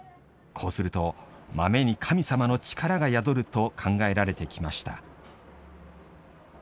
こうすると豆に神様の力が宿ると考えられてきました。